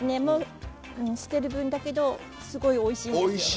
もう捨てる分だけどすごいおいしいんですよ。